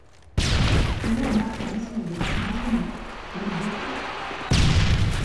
Ce jour marque la naissance du parti nationaliste, le Destour.